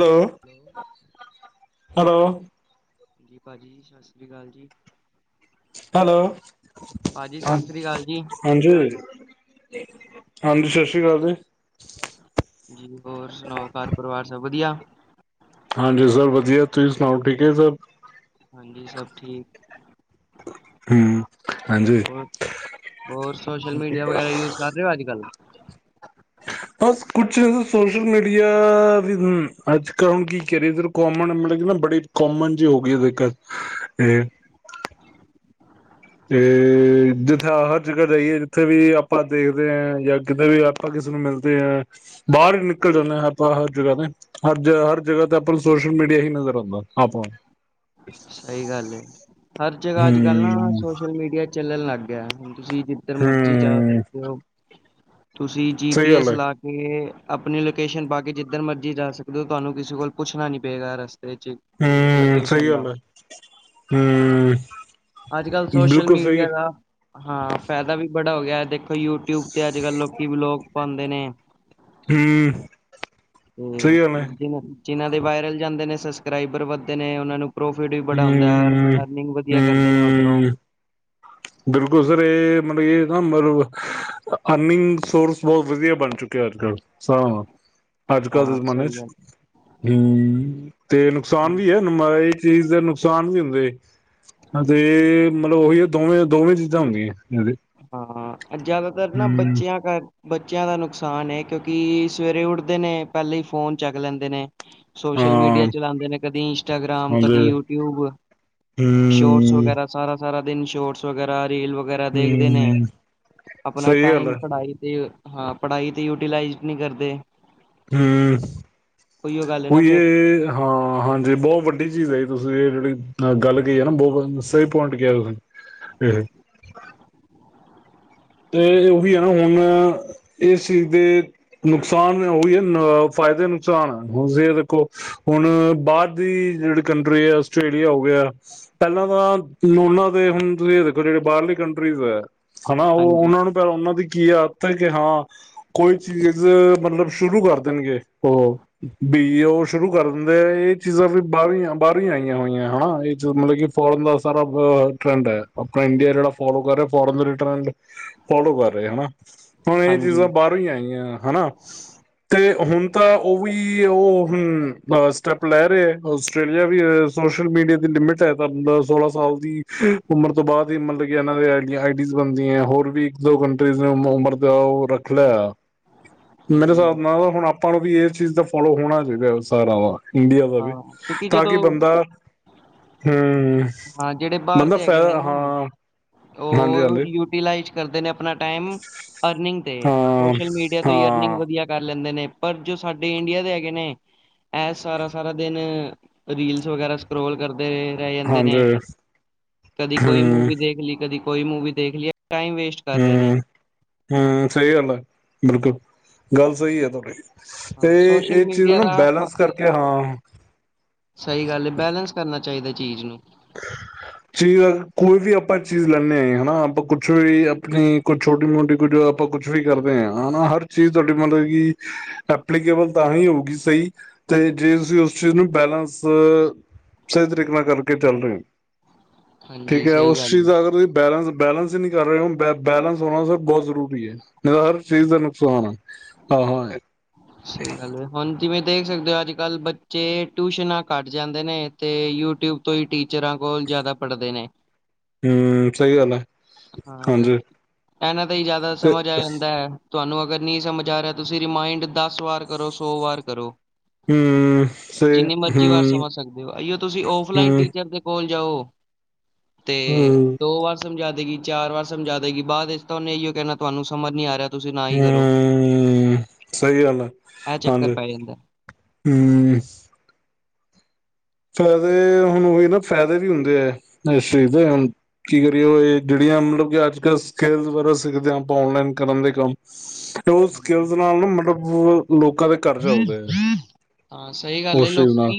Hello, hello ਹਾਂ ਜੀ, ਭਾਜੀ, ਸਸ ਸ੍ਰੀ ਕਾਲ ਜੀ। ਹੈਲੋ, ਭਾਜੀ ਸਤਿ ਸ੍ਰੀ ਅਕਾਲ ਜੀ। ਹਾਂਜੀ। ਹਾਂਜੀ, ਸ ਸ੍ਰੀ ਕਾਲ ਜੀ। ਜੀ, ਹੋਰ ਸੁਨਾਓ, ਘਰ ਪਰਿਵਾਰ ਸਭ ਵਧੀਆ? ਹਾਂਜੀ, ਸਭ ਵਧੀਆ, ਤੁਸੀਂ ਸੁਨਾਓ ਠੀਕ ਏ ਸਭ? ਹਾਂਜੀ ਸਭ ਠੀਕ। ਹਮ ਹਾਂਜੀ ਹੋਰ ਹੋਰ ਸੋਸ਼ਲ ਮੀਡੀਆ ਵਗੈਰਾ ਯੂਜ ਕਰ ਰਹੇ ਹੋ ਅੱਜ ਕੱਲ੍ਹ? ਹ। ਬਸ ਕੁਛ ਸੋਸ਼ਲ ਮੀਡੀਆ, ਵੀ ਅੱਜ ਕ ਕੀ ਕਰੀਏ ਕੋਮਣ [unintelligible] ਬੜੀ ਕੋਮਨ ਜਿ ਹੋ ਗਈ ਹੈ ਦਿੱਕ ਇਹ ਤੇ ਜਿੱਥੇ ਹਰ ਜਗ੍ਹਾ ਜਾਈਏ ਜਿੱਥੇ ਵੀ ਆਪਾਂ ਦੇਖਦੇ ਏ ਜਾਂ ਕਿਤੇ ਵੀ ਆਪਾਂ ਕਿਸੇ ਨੂੰ ਮਿਲਦੇ ਐ, ਬਾਹਰ ਈ ਨਿਕਲ ਜਾਂਨੇ ਆਪਾਂ ਹਰ ਜਗ੍ਹਾ ਤੇ, ਹਰ ਹਰ ਜਗ੍ਹਾ ਤੇ ਆਪਾਂ ਸੋਸ਼ਲ ਮੀਡੀਆ ਹੀ ਨਜ਼ਰ ਆਂਦਾ [unintelligible] ਸਹੀ ਗੱਲ ਏ, ਹਰ ਜਗ੍ਹਾ ਅੱਜ ਕੱਲ੍ਹ ਨਾ ਹਮ ਸੋਸ਼ਲ ਮੀਡੀਆ ਚਲਲ ਲਅੱ ਗਿਆ ਏ ਤੁਸੀਂ ਜਿੱਧਰ ਮਰਜ਼ੀ ਜਾ ਹਮ ਸਕਦੇ ਹੋ, ਤੁਸੀਂ ਜੀ ਸਹੀ ਪੀ ਗੱਲ ਐਸ ਹੈ ਲਾ ਕੇ ਅਪਨੀ ਲੋਕੇਸ਼ਨ ਪਾ ਕੇ ਜਿੱਧਰ ਮਰਜ਼ੀ ਜਾ ਸਕਦੇ ਹੋ, ਤੁਹਾਨੂੰ ਕਿਸੇ ਕੋਲ ਪੁੱਛਨਾ ਨੀ ਪਏਗਾ ਰਸਤਾ [unintelligible] ਹਮ ਸਹੀ ਲੋਕੇਸ਼ਨ ਦਾ ਗੱਲ ਹੈ ਹਮ ਅੱਜ ਕੱਲ੍ਹ ਸੋਸ਼ਲ ਬਿਲਕੁਲ ਸਹੀ ਮੀਡੀਆ ਦਾ, ਹਾਂ, ਫਾਇਦਾ ਵੀ ਬੜਾ ਹੋ ਗਿਆ ਦੇਖੋ ਯੂਟਿਊਬ ਤੇ ਅੱਜ ਕੱਲ੍ਹ ਲੋਕੀ ਵਲੋਗ ਪਾਉਂਦੇ ਨੇ। ਹਮ ਸਹੀ ਗੱਲ ਹੈ ਹੂੰ ਜਿ ਜਿਨਾਂ ਦੇ ਵਾਇਰਲ ਜਾਂਦੇ ਨੇ ਸਬਸਕ੍ਰਾਈਬਰ ਵੱਧਦੇ ਨੇ ਉਹਨਾਂ ਨੂੰ ਪ੍ਰੋਫਿਟ ਵੀ ਬੜਾ ਹੁੰਦਾ। ਹਮ ਅਰਨਿੰਗ ਵਧੀਆ ਕਰਦੇ ਨੇ ਉੱਧਰੋਂ। ਹਮ ਬਿਲਕੁਲ ਸਰ ਇਹ ਮਤਲਬ ਇਹ ਨਾ ਮਤਲਬ ਅਰਨਿੰਗ ਸੋਰਸ ਬਹੁਤ ਵਧੀਆ ਬਣ ਚੁੱਕੇ। ਅੱਜ-ਕੱਲ ਸਾਂ। ਅੱਜ-ਕੱਲ੍ਹ ਦੇ ਹਾਂ ਜ਼ਮਾਨੇ ਸਹੀ ਚ, ਗੱਲ ਹਮ ਤੇ ਨੁਕਸਾਨ ਵੀ ਹੈ ਨੰਬਰ ਚੀਜ਼ ਦੇ ਨੁਕਸਾਨ ਵੀ ਹੁੰਦੇ ਤੇ ਮਤਲਬ ਉਹੀ ਹੈ ਦੋਵੇਂ ਦੋਵੇਂ ਚੀਜ਼ਾਂ ਹੁੰਦੀਆਂ। ਇਹਦੇ ਹਾਂ, ਜ਼ਿਆਦਾਤਰ ਨਾ ਹਮ ਬੱਚਿਆਂ ਕਰ ਬੱਚਿਆਂ ਦਾ ਨੁਕਸਾਨ ਕਿਉਂਕਿ ਸਵੇਰੇ ਉੱਠਦੇ ਨੇ ਪਹਿਲੇ ਹੀ ਫ਼ੋਨ ਚੱਕ ਲੈਂਦੇ ਨੇ। ਸੋਸ਼ਲ ਹਾਂ ਮੀਡੀਆ ਚਲਾਉਂਦੇ ਨੇ ਕਦੀ ਇੰਸਟਾਗ੍ਰਾਮ, ਹਾਂਜੀ ਕਦੀ ਯੂਟਿਊਬ ਸ਼ੋਰਟ ਹਮ ਵਗੈਰਾ ਸਾਰਾ-ਸਾਰਾ ਦਿਨ ਸ਼ੋਟਸ ਵਗੈਰਾ ਰੀਲ ਵਗੈਰਾ ਦੇਖ ਨੇ ਹਮ ਆਪਣਾ ਸਹੀ ਗੱਲ ਟਾਈਮ ਹੈ ਪੜ੍ਹਾਈ ਤੇ ਹਾਂ ਪੜ੍ਹਾਈ ਤੇ ਯੂਟੀਲਾਈਜ਼ ਨਹੀਂ ਕਰਦੇ। ਹੂੰ। ਉਹੀਓ ਗੱਲ ਹੈ ਨਾ ਉਈ ਫਿਰ ਇਹ ਹਾਂ ਹਾਂਜੀ ਬਹੁਤ ਵੱਡੀ ਚੀਜ਼ ਹੈ ਜੀ ਤੁਸੀਂ ਇਹ ਜਿਹੜੀ ਅਹ ਗੱਲ ਕਿ ਬਹੁਤ ਸਹੀ ਪੁਆਇੰਟ ਕਿਆ ਇਹ ਤੇ ਉਹੀ ਹੈ ਨਾ, ਹੁਣ ਇਸ ਚੀਜ਼ ਦੇ ਨੁਕਸਾਨ ਉਹੀ ਹੈ ਅ ਫ ਫਾਇਦੇ ਨੁਕਸਾਨ ਹੁਣ ਸੀ ਇਹ ਦੇਖੋ ਹੁਣ ਬਾਹਰ ਦੀ ਜਿਹੜੀ ਕੰਟਰੀ ਹੈ, ਆਸਟ੍ਰੇਲੀਆ ਹੋ ਗਿਆ। ਪਹਿਲਾਂ ਤਾਂ ਉਹਨਾਂ ਦੇ ਹੁਣ ਤੁਸੀਂ ਇਹ ਦੇਖੋ ਜਿਹੜੇ ਬਾਹਰਲੀ ਕੰਟਰੀਜ਼ ਏ। ਹਨਾ, ਉਹ ਹਾਂਜੀ ਉਹਨਾਂ ਨੂੰ ਪ ਉਹਨਾਂ ਦੀ ਕੀ ਆ ਉੱਥੇ ਕਿ ਹਾਂ ਕੋਈ ਚੀਜ਼ ਮਤਲਬ ਸ਼ੁਰੂ ਕਰ ਦੇਣਗੇ, ਉਹ ਬੀ ਉਹ ਸ਼ੁਰੂ ਕਰ ਦਿੰਦੇ ਆ, ਇਹ ਚੀਜ਼ਾਂ ਵੀ ਬਾਹਰੋਂ ਬਾਹਰੋਂ ਈ ਆਈਆਂ ਹੋਈਆਂ ਹਨਾ ਇਹ ਚ ਮਤਲਬ ਕਿ ਫੋਰਨ ਦਾ ਸਾਰਾਅ ਅ ਟਰੈਂਡ ਏ, ਆਪਣਾ ਇੰਡੀਆ ਜਿਹੜਾ ਫਲੋ ਕਰ ਰਿਹਾ। ਫੋਰਨ ਦੇ ਟਰੈਂਡ ਫੋਲੋ ਕਰ ਰਹੇ, ਹੈਨਾ, ਹੁਣ ਇਹ ਹਾਂਜੀ ਚੀਜ਼ਾਂ ਬਾਹਰੋਂ ਈ ਆਈਆਂ, ਹੈਨਾ ਤੇ ਹੁਣ ਤਾਂ ਉਹ ਵੀ ਕੀ ਉਹ ਹਮ, ਸਟੈਪ ਲੈ ਰਹੇ ਆਸਟ੍ਰੇਲੀਆ ਵੀ ਸੋਸ਼ਲ ਮੀਡੀਆ ਦੀ ਲਿਮਿਟ ਏ। ਤੇ ਪੰਦਰਾ-ਸੋਲਾਂ ਸਾਲ ਦੀ ਉਮਰ ਤੋਂ ਬਾਅਦ ਹੀ ਮਤਲਬ ਕਿ ਇਹਨਾਂ ਦੇ ਆਈ ਆਈਡੀਜ਼ ਬਣਦੀਆਂ ਆ। ਹੋਰ ਵੀ ਇੱਕ ਦੋ ਕੰਟਰੀਜ਼ ਨੇ ਉਮਰ ਦਾ ਉਹ ਰੱਖ ਲਿਆ। ਮੇਰੇ ਹਾਂਜੀ ਹਿਸਾਬ ਨਾਲ ਹੁਣ ਆਪਾਂ ਨੂੰ ਵੀ ਇਸ ਚੀਜ਼ ਦਾ ਫੋਲੋ ਹੋਣਾ ਚਾਹੀਦਾ ਸਾਰਾ ਵ ਇੰਡੀਆ ਦਾ ਵੀ ਹਾਂ ਕਿਉਂਕਿ ਤਾਂ ਜਦੋਂ ਕਿ ਬੰਦਾ ਹਮ, ਹਾਂ ਜਿਹੜੇ ਬਾਹਰ ਬੰਦਾ ਦੇ ਹੈਗੇ ਨੇ ਫਾਇਦਾ ਨਾ ਹਾਂ। ਹਾਂਜੀ ਉਹ ਹਾਂਜੀ ਯੂਟੀਲਾਈਜ਼ ਕਰਦੇ ਨੇ ਆਪਣਾ ਟਾਈਮ ਅਰਨਿੰਗ ਤੇ ਹਾਂ ਸੋਸ਼ਲ ਮੀਡੀਆ ਤੋਂ ਹੀ ਅਰਨਿੰਗ ਹਾਂ ਵਧੀਆ ਕਰ ਲੈਂਦੇ ਨੇ। ਪਰ ਜੋ ਸਾਡੇ ਇੰਡੀਆ ਦੇ ਹੈਗੇ ਨੇ ਏਸ ਸਾਰਾ-ਸਾਰਾ ਦਿਨ ਰੀਲਸ ਵਗੈਰਾ ਸਕੋਲ ਕਰਦੇ ਰਹਿ ਜਾਂਦੇ ਹਾਂਜੀ ਨੇ ਕਦੀ ਕੋਈ ਹਮ ਮੂਵੀ ਦੇਖ ਲਈ, ਕਦੀ ਕੋਈ ਮੂਵੀ ਦੇਖ ਲਈਏ। ਹੂੰ-ਹੂੰ, ਸਹੀ ਗੱਲ ਆ ਬਿਲਕੁਲ। ਗੱਲ ਸਹੀ ਹੈ, ਤੁਹਾਡੀੇ ਹਾਂ ਤੇ ਸੋਸ਼ਲ ਇਹ ਚੀਜ਼ ਮੀਡੀਆ ਨਾ ਦਾ ਬੈਲੈਂਸ ਕਰਕੇ ਹਾਂ। ਸਹੀ ਗੱਲ ਐ, ਬੈਲੈਂਸ ਕਰਨਾ ਚਾਹੀਦਾ ਚੀਜ਼ ਨੂੰ। [unintelligible] ਚੀਜ਼ ਕੋਈ ਵੀ ਆਪਾਂ ਚੀਜ਼ ਲੈਂਦੇ ਹਾਂ, ਹਨਾ ਆਪਾਂ ਕੁਛ ਵੀ ਆਪਣੀ ਕੁਛ ਛੋਟੀ-ਮੋਟੀ ਕੁੱਝ ਆਪਾਂ ਕੁਛ ਵੀ ਕਰਦੇ ਹਾਂ ਹਨਾ, ਹਰ ਚੀਜ਼ ਤੁਹਾਡੀ ਮਤਲਬ ਕਿ ਐਪਲੀਕੇਬਲ ਤਾਂ ਹੀ ਹੋਊਗੀ ਸਹੀ ਤੇ ਜੇ ਤੁਸੀਂ ਉਸ ਚੀਜ਼ ਨੂੰ ਬੈਲੇੈਂਸ, ਸਹੀ ਤਰੀਕੇ ਨਾਲ ਕਰ ਚੱਲ ਰਹੇ ਹਾਂਜੀ ਠੀਕ ਏ, ਸਹੀ ਉਸ ਗੱਲ ਚੀਜ਼ ਏ। ਦਾ ਅਗਰ ਤੁਸੀਂ ਬੈਲੈਂਸ ਬੈਲੈਂਸ ਹੀ ਨਹੀ ਕਰ ਰਹੇ ਹੁਣ, ਬੈਲੈਂਸ ਹੋਣਾ ਬਹੁਤ ਜ਼ਰੂਰੀ ਏ, ਇਹ ਤਾਂ ਹਰ ਚੀਜ਼ ਦਾ ਨੁਕਸਾਨ ਆ। ਹਾਂ ਏ। ਸਹੀ ਗੱਲ, ਹੁਣ ਜਿਵੇਂ ਦੇਖ ਸਕਦੇ ਹੋ, ਅੱਜ-ਕੱਲ੍ਹ ਬੱਚੇ ਟਿਊਸ਼ਨਾਂ ਘੱਟ ਜਾਂਦੇ ਨੇ ਤੇ ਯੂਟਿਊਬ ਤੋਂ ਹੀ ਟੀਚਰਾਂ ਕੋਲ ਜ਼ਿਆਦਾ ਪੜ੍ਹਦੇ ਨੇ। ਹਮ ਸਹੀ ਗੱਲ ਐ, ਹਾਂ ਹਾਂਜੀ। ਇਹਨਾਂ ਦਾ ਹੀ ਜ਼ਿਆਦਾ ਤੇ ਸਮਝ ਆ ਜਾਂਦਾ ਏ। ਤੁਹਾਨੂੰ ਅਗਰ ਨਹੀਂ ਸਮਝ ਹਮ ਸੇ ਜਿੰਨੀ ਮਰਜੀ ਵਾਰ ਹਮ ਸਮਝ ਸਕਦੇ ਹੋ, ਆਈਓ ਤੁਸੀਂ ਓਫਲਾਈਨ ਹਮ ਟੀਚਰ ਦੇ ਕੋਲ ਜਾਓ ਤੇ ਹਮ ਦੋ ਵਸ ਸਮਝਾ ਦੇਗੀ ਚਾਰ ਵਾਰ ਸਮਝਾ ਦੇਗੀ ਬਾਅਦ ਵਿੱਚ ਤਾਂ ਉਹਨੇ ਇਹੀਓ ਕਹਿਣਾ ਤੁਹਾਨੂੰ ਸਮਝ ਨੀ ਆ ਰਿਹਾ। ਤੁਸੀਂ ਨਾ ਹੀ ਕਰੋ ਹਮ ਸਹੀ ਗੱਲ ਆ, ਇਹ ਚੱਕਰ ਹਾਂਜੀ। ਪੈ ਜਾਂਦਾ। ਹਮਮ ਫਾਇਦੇ ਹੁਣ ਉਹੀ ਨਾ ਫਾਇਦੇ ਵੀ ਹੁੰਦੇ ਹੈ ਇਸ ਚੀਜ਼ ਦੇ ਹੁਣ ਕੀ ਕਰੀਏ ਇਹ ਜਿਹੜੀ ਮਤਲਬ ਕਿ ਅੱਜ ਕੱਲ ਸਕਿਲ ਵਗਰਾ ਸਿੱਖਦੇ ਹਾਂ ਆਪਾਂ ਓਨਲਾਈਨ ਕਰਨ ਦੇ ਕੰਮ ਓ ਹਾਂਜੀ। ਸਕਿਲ ਨਾਲ ਨਾ ਮਤਲਬ ਉਹ ਹਾਂ, ਸਹੀ ਗੱਲ ਹੈ। ਉਸ ਚੀਜ਼ ਨਾਲ ਲੋਕੀ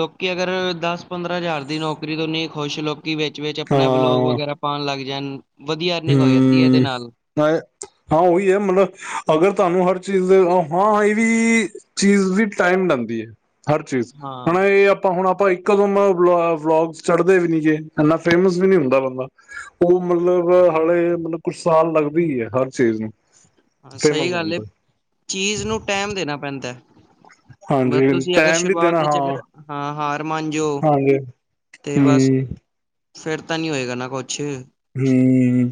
ਲੋਕੀ ਅਗਰ ਦਸ -ਪੰਦਰਾਂ ਹਜ਼ਾਰ ਦੀ ਨੌਕਰੀ ਤੋਂ ਨੀ ਖੁਸ਼ ਲੋਕ ਕਿ ਵਿੱਚ -ਵਿਚ ਆਪਣਾ ਬਲੋਗ ਵਗੈਰਾ ਪਾਉਣ ਲੱਗ ਜਾਣ ਵਧੀਆ ਅਰਨਿੰਗ ਹੋ ਜਾਂਦੀ ਹੈ ਇਹਦੇ ਹਮ! ਨਾਲ ਹਾਂ ਉਹੀ ਹੈ ਮਤਲਬ ਅਗਰ ਤੁਹਾਨੂੰ ਹਰ ਚੀਜ਼ ਹਾਂ ਇਹ ਵੀ ਚੀਜ਼ ਵੀ ਟਾਈਮ ਲਾਦੀ ਹੈ। ਹਰ ਚੀਜ਼ ਹੁਣ ਹਾਂ ਇਹ ਆਪਾਂ ਹੁਣ ਆਪਾਂ ਵਲੋਗਸ ਚੜਦੇ ਵੀ ਨੀ ਜੇ, ਇਨਾ ਫੇਮਸ ਵੀ ਨੀ ਹੁੰਦਾ ਬੰਦਾ। ਉਹ ਮਤਲਬ ਹਾਲੇ ਮਤਲਬ ਕੁਛ ਸਾਲ ਲੱਗਦੀ ਹੈ ਹਰ ਚੀਜ਼ ਨੂੰ। ਹਾਂ, ਫੇਮਸ ਸਹੀ ਹੋਣ ਗੱਲ ਏ। ਤੇ ਚੀਜ਼ ਨੂੰ ਟੈਮ ਦੇਣਾ ਪੈਂਦਾ। ਹੈ। ਬਸ ਹਾਂਜੀ ਤੁਸੀਂ ਅਗਰ ਟੈਮ ਵੀ ਸ਼ੁਰੂਆਤ ਦੇਣਾ ਵਿੱਚ ਹਾਂ, ਅਗਰ ਹਾਂ ਹਾਰ ਮੰਨ ਜਾਓ ਹਾਂਜੀ। ਤੇ ਬਸ ਹਮ ਫਿਰ ਤਾਂ ਨਹੀਂ ਹੋਏਗਾ ਨਾ ਕੁਝ ਹਮ!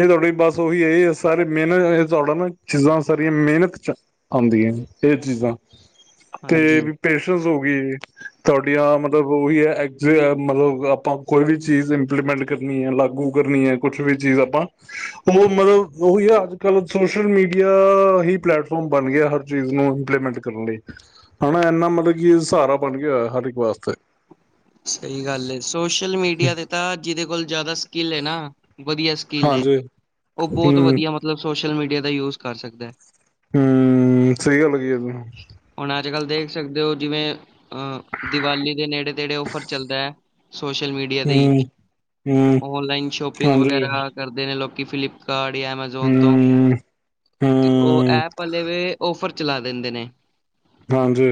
ਇਹ ਤੁਹਾਡੀ ਬਸ ਹੋ ਵੀ ਇਹ ਸਾਰੇ ਮਿਹਨਤ ਇਹ ਤੁਹਾਡਾ ਨਾ ਚੀਜ਼ਾਂ ਸਾਰੀਆਂ ਮਿਹਨਤ ਚ ਆਉਂਦੀਆਂ ਨੇ ਇਹ ਚੀਜ਼ਾਂ [inaudible] ਹਾਂਜੀ ਤੁਹਾਡੀਆਂ ਮਤਲਬ ਉਹੀ ਹੈ ਮਤਲਬ ਆਪਾਂ ਕੋਈ ਵੀ ਚੀਜ਼ ਇੰਪਲੀਮੈਂਟ ਕਰ ਲਾਗੂ ਹੈ ਕੁਛ ਵੀ ਚੀਜ਼ ਆਪਾਂ ਉਹ ਮਤਲਬ ਉਹੀ ਆ ਅੱਜ -ਕੱਲ ਸੋਸ਼ਲ ਮੀਡੀਆ ਹੀ ਪਲੈਟਫਾਰਮ ਬਣ ਗਿਆ ਹਰ ਚੀਜ਼ ਨੂੰ ਇੰਪਲੀਮੈਂਟ ਕਰਨ ਲਈ। ਹਨਾ! ਇੰਨਾ ਮਤਲਬ ਕਿ ਸਹਾਰਾ ਬਣ ਗਿਆ ਹਰ ਇੱਕ ਵਾਸਤੇ ਸਹੀ ਗੱਲ ਹੈ ਸੋਸ਼ਲ ਮੀਡੀਆ ਤੇ ਤਾਂ ਜਿਹਦੇ ਕੋਲ ਜ਼ਿਆਦਾ ਸਕਿੱਲ ਹੈ ਨਾ ਵਧੀਆ ਸਕਿੱਲ ਏ। ਹਾਂਜੀ ਉਹ ਬਹੁਤ ਹੂੰ ਵਧੀਆ ਮਤਲਬ ਸੋਸ਼ਲ ਮੀਡੀਆ ਦਾ ਯੂਜ ਕਰ ਸਕਦਾ ਹੈ। ਹਮ! ਸਹੀ ਗੱਲ ਕਹਿ ਤੁਸੀਂ ਅੱਜ- ਕੱਲ੍ਹ ਦੇਖ ਸਕਦੇ ਹੋ ਜਿਵੇਂ ਅਹ ਦੀਵਾਲੀ ਦੇ ਨੇੜੇ- ਤੇੜੇ ਔਫਰ ਚੱਲਦਾ ਹੈ। ਸੋਸ਼ਲ ਮੀਡੀਆ ਤੇ ਹੀ, ਹੂੰ ਔਨਲਾਈਨ ਸ਼ੋਪਿੰਗ ਹਾਂਜੀ ਵਗੈਰਾ ਕਰਦੇ ਨੇ ਲੋਕੀ, ਫਲਿੱਪ ਕਾਰ ਐਮਾਜ਼ੋਨ ਤੋਂ ਹੂੰ ਉਹ ਹੂੰ ਐਪ ਹਲੇ ਔਫਰ ਚਲਾ ਦਿੰਦੇ ਨੇ। ਹਾਂਜੀ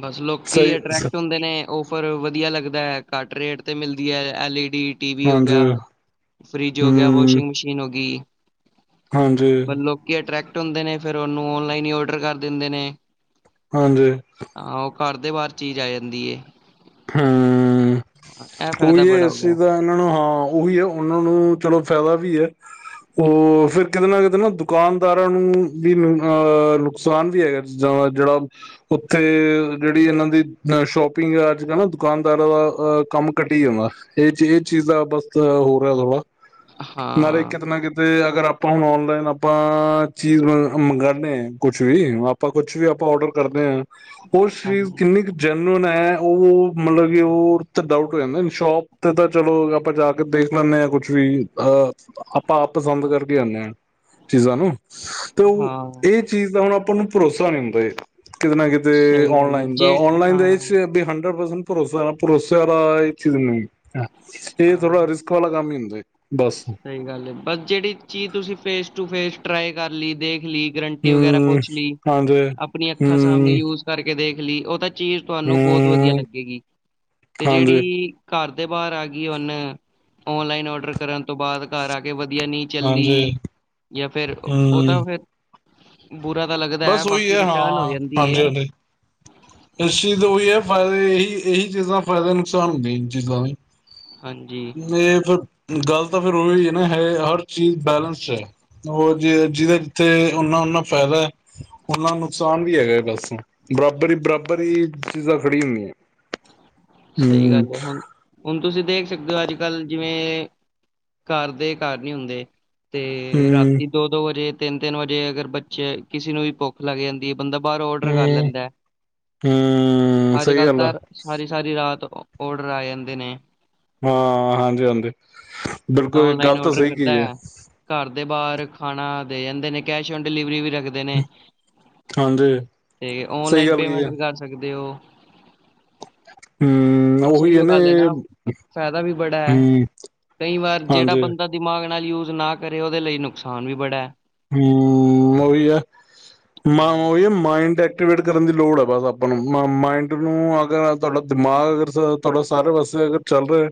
ਬਸ ਲੋਕੀ ਸਹੀ ਅਟਰ੍ਰੈਕਟ ਹੁੰਦੇ ਨੇ। ਉਹ ਪਰ ਵਧੀਆ ਲੱਗਦਾ ਹੈ। ਘੱਟ ਰੇਟ ਤੇ ਮਿਲਦੀ ਹੈ L E D T V ਹੋ ਗਿਆ, ਹਾਂਜੀ ਫਰਿਜ ਹੋ ਗਿਆ, ਹੂੰ ਵਾਸ਼ਿੰਗ ਮਸ਼ੀਨ ਹੋ ਗਈ। ਹਾਂਜੀ ਲੋਕੀ ਅਟਰ੍ਰੈਕਟ ਹੁੰਦੇ ਨੇ ਫਿਰ ਉਹਨੂੰ ਓਨਲਾਈਨ ਹੀ ਓਡਰ ਕਰ ਦਿੰਦੇ ਨੇ ਹਾਂਜੀ ਹਾਂ ਉਹ ਘਰ ਦੇ ਬਾਹਰ ਚੀਜ਼ ਆ ਜਾਂਦੀ ਹੈ। ਹਾਂ । [inaudible] ਉਹੀ ਹੈ ਇਸ ਚੀਜ਼ ਦਾ ਇਹਨਾਂ ਨੂੰ ਹਾਂ ਉਹੀ ਹੈ ਉਹਨਾਂ ਨੂੰ ਚਲੋ ਫਾਇਦਾ ਵੀ ਹੈ। ਉਹ ਫਿਰ ਕਿਤੇ ਨਾ ਕਿਤੇ ਨਾ ਦੁਕਾਨਦਾਰਾਂ ਨੂੰ ਵੀ ਅਹ ਨੁਕਸਾਨ ਵੀ ਹੈਗਾ ਚੀਜ਼ਾਂ ਦਾ ਜਿਹੜਾ ਉੱਥੇ ਜਿਹੜੀ ਇਹਨਾਂ ਦੀ ਅ ਸ਼ੋਪਿੰਗ ਐੱਪ ਕਹਿਣਾ ਦੁਕਾਨਦਾਰਾਂ ਦਾ ਅਹ ਕੰਮ ਘੱਟੀ ਜਾਂਦਾ। ਇਹ ਚੀਜ਼ ਦਾ ਬਸ ਹੋ ਰਿਹਾ ਥੋੜਾ ਨਾਲ ਹਾਂ ਕਿਤੇ ਨਾ ਕਿਤੇ ਅਗਰ ਆਪਾਂ ਹੁਣ ਔਨਲਾਈਨ ਆਪਾਂ ਚੀਜ਼ ਮੰਗਉਂਦੇ ਹਾਂ ਕੁਛ ਵੀ ਆਪਾਂ ਕੁਛ ਵੀ ਆਪਾਂ ਔਡਰ ਕਰਦੇ ਹਾਂ ਉਹ ਸਰੀਰ ਹਾਂਜੀ। ਕਿੰਨੀ ਕੁ ਜੈਨਅਨ ਹੈ ਉਹ ਮਤਲਬ ਕਿ ਉਹ ਤੇ ਡਾਊਟ ਹੋ ਜਾਂਦਾ ਸ਼ੋਪ ਤੇ ਤਾਂ ਚਲੋ ਆਪਾਂ ਜਾ ਕੇ ਦੇਖ ਲੈਂਦੇ ਹਾਂ ਕੁੱਛ ਵੀ ਅਹ ਆਪਾਂ ਆਪ ਪਸੰਦ ਕਰਕੇ ਆਉਦੇ ਹਾਂ। ਚੀਜ਼ਾਂ ਨੂੰ ਤੇ ਉਹ ਹਾਂ, ਇਹ ਚੀਜ਼ ਦਾ ਹੁਣ ਆਪਾਂ ਨੂੰ ਭਰੋਸਾ ਨਹੀਂ ਹੁੰਦਾ ਕਿਤੇ ਨਾ ਕਿਤੇ ਸਹੀ ਗੱਲ ਹੈ ਆਨਲਾਈਨ ਜੇ ਦਾ ਆਨਲਾਈਨ ਦੇ ਵਿੱਚ ਹਾਂ, ਇਹ ਹੰਡਡ ਪਰਸੈਂਟ ਭਰੋਸਾ [unintelligible] ਹ ਇਹ ਥੋੜਾ ਹਾਂ ਰਿਸਕ ਵਾਲਾ ਕੰਮ ਹੀ ਹੁੰਦਾ ਏ। ਸਹੀ ਗੱਲ ਹੈ ਬਸ ਜਿਹੜੀ ਚੀਜ਼ ਤੁਸੀਂ ਫੇਸ ਟੂ ਫੇਸ ਟਰਾਈ ਕਰ ਲਈ ਦੇਖ। ਦੇਖ ਲਈ ਗਰੰਟੀ ਵਗੈਰਾ ਹੂੰ, ਪੁੱਛ ਲਈ ਹਾਂਜੀ। ਆਪਣੀਆਂ ਅੱਖਾਂ ਸਾਹਮਣੇ ਹੂੰ, ਯੂਜ ਕਰਕੇ ਦੇਖ ਲਈ ਉਹ ਤਾਂ ਚੀਜ਼ ਤੁਹਾਨੂੰ ਬਹੁਤ ਵਧੀਆ ਹੂੰ, ਲੱਗੇਗੀ ਤੇ ਜਿਹੜੀ ਹਾਂਜੀ, ਘਰ ਦੇ ਬਾਹਰ ਆ ਗਈ ਹੁਣ ਆਨਲਾਈਨ ਔਡਰ ਕਰਨ ਤੋਂ ਬਾਅਦ ਘਰ ਆ ਕੇ ਵੀ ਨਹੀਂ ਹਾਂਜੀ, ਚੱਲਣੀ, ਜਾਂ ਫੇਰ ਉਹ ਤਾਂ ਹੂੰ। ਫਿਰ ਬੁਰਾ ਤਾਂ ਲੱਗਦਾ ਬਸ ਉਹੀ ਬਾਕੀ ਹੈ ਰਿਟਰਨ ਹੋ ਹਾਂ ਜਾਂਦੀ ਹੈ ਹਾਂਜੀ ਹਾਂਜੀ। ਇਸ ਚੀਜ਼ ਦਾ ਉਹੀ ਹੈ ਫਾਇਦੇ ਇਹੀ ਇਹੀ ਚੀਜ਼ਾਂ ਫਾਇਦੇ ਨੁਕਸਾਨ ਹੁੰਦੇ ਇਹ ਚੀਜ਼ਾਂ ਦੇ ਹਾਂਜੀ ਇਹ ਫਿਰ ਗੱਲ ਤਾਂ ਫੇਰ ਉਹੀ ਹੈ। ਹੈ ਹਰ ਚੀਜ਼ ਬੈਲਸ ਹੈ ਉਹ ਜ ਜਿਹਦੇ ਜਿੱਥੇ ਓਨਾ ਓਨਾ ਫਾਇਦਾ ਹੈ ਉਹਨਾ ਨੁਕਸਾਨ ਵੀ ਹੈਗਾ ਬਸ ਬਰਾਬਰ ਹੀ ਬਰਾਬਰ ਹੀ ਚੀਜ਼ਾਂ ਖੜੀ ਹੁੰਦੀਆਂ। ਸਹੀ ਹੂੰ, ਗੱਲ ਹੈ, ਹੁਣ ਹੁਣ ਤੁਸੀਂ ਦੇਖ ਸਕਦੇ ਹੋ ਅੱਜ ਕੱਲ੍ਹ ਜਿਵੇਂ ਘਰ ਦੇ ਘਰ ਨੀ ਹੁੰਦੇ, ਤੇ ਹੂੰ, ਰਾਤੀ ਦੋ ਦੋ ਵਜੇ ਤਿੰਨ ਤਿੰਨ ਵਜੇ ਅਗਰ ਬੱਚੇ ਕਿਸੇ ਨੂੰ ਵੀ ਭੁੱਖ ਲੱਗ ਜਾਂਦੀ ਹੈ। ਬੰਦਾ ਬਾਹਰ ਔਡਰ ਕਰ ਹੂੰ, ਲੈਂਦਾ ਹੈ, ਹੂੰ, ਅੱਜ ਸਹੀ ਕੱਲ੍ਹ ਗੱਲ ਤਾਂ, ਆ। ਸਾਰੀ ਸਾਰੀ ਰਾਤ ਔਡਰ ਆ ਜਾਂਦੇ ਨੇ। ਹਾਂ ਹਾਂਜੀ ਹਾਂਜੀ ਬੰਦਾ ਬਿਲਕੁਲ ਗੱਲ ਤਾਂ ਸਹੀ ਕੀ ਹੈ। ਤੇ ਬਾਹਰ ਖਾਣਾ ਦੇ ਜਾਂਦੇ ਨੇ ਕੈਸ਼ ਔਨ ਡਿਲੀਵਰੀ ਵੀ ਰੱਖ ਦਿੰਦੇ ਨੇ, ਹਾਂਜੀ ਤੇ ਸਹੀ ਆਨਲਾਈਨ ਗੱਲ ਕੀ ਪੇਮੈਂਟ ਹੈ ਵੀ ਕਰ ਸਕਦੇ ਹੋ। ਬਸ ਉਹੀਓ ਗੱਲ ਹੈ ਨਾ ਫਾਇਦਾ ਵੀ ਬੜਾ ਹੈ। ਹਮ ਕਈ ਵਾਰ ਜਿਹੜਾ ਹਾਂਜੀ ਬੰਦਾ ਦਿਮਾਗ ਨਾਲ ਯੂਜ ਨਾ ਕਰੇ ਉਹਦੇ ਲਈ ਨੁਕਸਾਨ ਵੀ ਬੜਾ ਹੈ। ਹੂੰ, ਉਹੀ ਹੈ, ਹਾਂ ਮ ਮਾਈੰਡ ਐਕਟੀਵੇਟ ਕਰਨ ਦੀ ਲੋੜ ਹੈ ਬਸ ਆਪਾਂ ਨੂੰ ਮਾਇੰਡ ਨੂੰ ਅਗਰ ਤੁਹਾਡਾ ਦਿਮਾਗ ਅਗਰ ਤੁਹਾਡਾ ਸਾਰੇ ਪਾਸੇ ਅਗਰ ਚੱਲ ਰਿਹਾ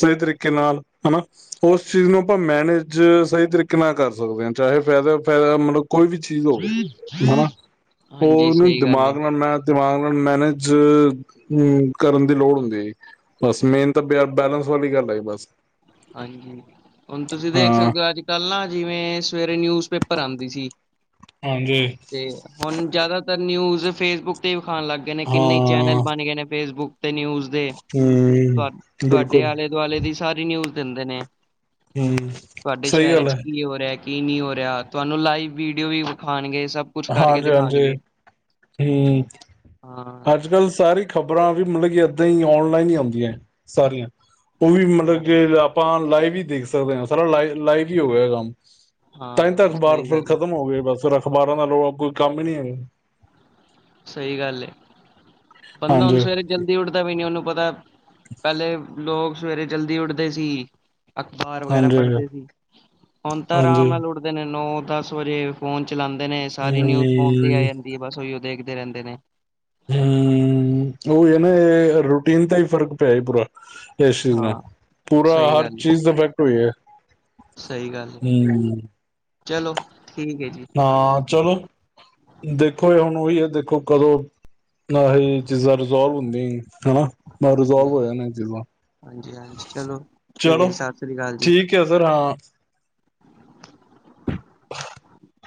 ਸਹੀ ਤਰੀਕੇ ਨਾਲ ਹਨਾ ਉਸ ਚੀਜ਼ ਨੂੰ ਆਪਾਂ ਮੈਨੇਜ ਸਹੀ ਤਰੀਕੇ ਨਾਲ ਕਰ ਸਕਦੇ ਹਾਂ ਚਾਹੇ ਫਾਇਦਾ ਫਾਇਦਾ ਮਤਲਬ ਕੋਈ ਵੀ ਚੀਜ਼ ਹੋਵੇ ਹਨਾ ਹਾਂਜੀ ਉਹਨੂੰ ਸਹੀ ਗੱਲ ਹੈ ਦਿਮਾਗ ਨਾਲ ਮੈਂ ਦਿਮਾਗ ਨਾਲ ਮੈਨੇਜ ਕਰਨ ਦੀ ਲੋੜ ਨੀ ਬਸ ਮੇਨ ਤਾਂ ਬ ਬੈਲੈਂਸ ਵਾਲੀ ਗੱਲ ਆ ਬਸ। ਹਾਂਜੀ, ਹੁਣ ਤੁਸੀਂ ਦੇਖ ਹਾਂ। ਸਕਦੇ ਹੋ ਅੱਜ ਕੱਲ੍ਹ ਨਾ ਜਿਵੇਂ ਸਵੇਰੇ ਨਿਊਜ਼ ਪੇਪਰ ਆਉਂਦੀ ਸੀ, ਹਾਂਜੀ। ਤੇ ਹੁਣ ਜ਼ਿਆਦਾ ਨਿਊਜ਼ ਫੇਸਬੁੱਕ ਤੇ ਵਿਖਾਣ ਲੱਗ ਗਏ ਨੇ ਕਿੰਨੇ ਚੈਨਲ ਹਾਂ ਬਣ ਗਏ ਨੇ ਫੇਸਬੁੱਕ ਨਿਊਜ਼ ਦੇ, ਹਮ ਤੁਹਾਡੇ ਬਿਲਕੁਲ ਆਲੇ ਦੁਆਲੇ ਦੀ ਸਾਰੀ ਨਿਊਜ਼ ਦਿੰਦੇ ਨੇ। ਹਮ ਤੁਹਾਡੇ ਸਹੀ ਸ਼ਹਿਰ ਗੱਲ ਚ ਹੈ। ਕੀ ਹੋ ਰਿਹਾ ਕੀ ਨਹੀਂ ਹੋ ਰਿਹਾ ਤੁਹਾਨੂੰ ਲਾਈਵ ਵੀਡੀਓ ਵੀ ਵਿਖਾਉਣਗੇ। ਹਾਂਜੀ ਹਾਂਜੀ, ਹੂੰ, ਹਾਂ, ਅੱਜ ਕੱਲ੍ਹ ਸਾਰੀ ਖਬਰ ਖ਼ਬਰਾਂ ਵੀ ਮਤਲਬ ਕਿ ਏਦਾਂ ਹੀ ਆਨਲਾਈਨ ਹੀ ਆਉਂਦੀਆਂ ਹੈ। ਸਾਰੀਆਂ ਉਹ ਵੀ ਮਤਲਬ ਹਾਂ, ਕਿ ਆਪਾਂ ਲਾਈਵ ਵੀ ਦੇਖ ਸਕਦੇ ਹਾਂ ਸਾਰਾ ਲ ਲਾਈਵ ਹੀ ਹੋ ਗਿਆ ਕੰਮ ਤਾ ਤੱਕ ਹਾਂ ਅਖਬਾਰ ਸਹੀ ਫਿਰ ਗੱਲ ਏ, ਖਤਮ ਹੋ ਗਏ ਬਸ ਫਿਰ ਅਖ਼ਬਾਰਾ ਦਾ ਕੋਈ ਕੰਮ ਨਹੀਂ ਆ। ਸਹੀ ਗੱਲ ਏ, ਬੰਦਾ ਹਣ ਹਾਂਜੀ ਸਵੇਰੇ ਜਲਦੀ ਉੱਠਦਾ ਵੀ ਨੀ ਉਹਨੂੰ ਪਤਾ ਪਹਿਲੇ ਲੋਕ ਸਵੇਰੇ ਜਲਦੀ ਉੱਠਦੇ ਸੀ। ਅਖ਼ਬਾਰ ਵਗੈਰਾ ਹਾਂਜੀ ਪੜ੍ਹਦੇ ਸੀ, ਹੁਣ ਤਾਂ ਆਰਾਮ ਹਾਂਜੀ ਨਾਲ ਉੱਠਦੇ ਨੇ ਨੌ ਦਸ ਵਜੇ ਫੋਨ ਚ ਚਲਾਉਦੇ ਨੇ ਹੂੰ ਸਾਰੀ ਨਿਊਜ਼ ਫੋਨ ਤੇ ਆ ਜਾਂਦੀ ਹੈ ਬਸ ਉਹੀਓ ਦੇਖਦੇ ਰਹਿੰਦੇ ਨੇ। ਹੂੰ ਉਹ ਇਹ ਨਾ ਰੂਟੀਨ ਦਾ ਹੀ ਫ਼ਰਕ ਪਿਆ ਪੂਰਾ। ਇਸ ਚੀਜ਼ ਨਾਲ ਹਾਂ ਪੂਰਾ ਸਹੀ ਹਰ ਗੱਲ ਏ, ਚੀਜ਼ ਦਾ ਇਫੈਕਟ ਹੋਈ ਹੈ। ਸਹੀ ਗੱਲ ਏ। ਹਮ [unintelligible] ਚਲੋ ਠੀਕ ਹੈ ਜੀ ਹਾਂ, ਚਲੋ ਦੇਖੋ ਇਹ ਹੁਣ ਉਹੀ ਹੈ ਦੇਖੋ। ਦੇਖੋ ਕਦੋਂ ਨਾ ਹੀ ਚੀਜ਼ਾਂ ਰਿਜਵਰ ਹੁੰਦੀਆਂ ਹਨਾ, ਮੈ ਹਾਂਜੀ ਰਾਜ਼ਰਵ ਹੋਇਆ ਨਾ ਜ ਹਾਂਜੀ ਹਾਂਜੀ ਚਲੋ ਠੀਕ ਹੈ, ਜੀ ਸਤਿ ਸ੍ਰੀ ਅਕਾਲ ਜੀ। ਠੀਕ ਹੈ ਸਰ ਹਾਂ [unintelligible] [inaudible]